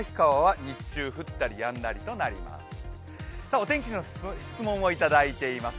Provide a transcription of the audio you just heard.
お天気の質問いただいてます。